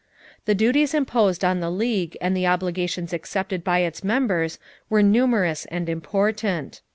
The duties imposed on the League and the obligations accepted by its members were numerous and important.